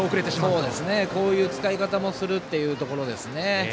そういう使い方をするということですね。